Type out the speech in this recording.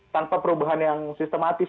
tanpa perubahan yang sistematis